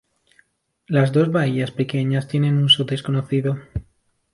Las dos bahías pequeñas tienen uso desconocido.